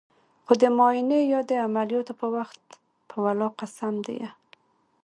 خو د معاينې يا د عمليات په وخت په ولله قسم ديه.